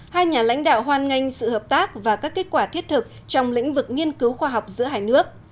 hai nhà lãnh đạo hoan nghênh sự hợp tác và các kết quả thiết thực trong lĩnh vực nghiên cứu khoa học giữa hai nước